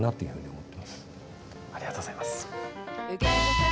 ありがとうございます。